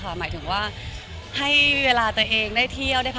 แฟนก็เหมือนละครมันยังไม่มีออนอะไรอย่างนี้มากกว่าไม่รับปีละเรื่องเองอ่ะ